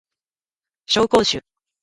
紹興酒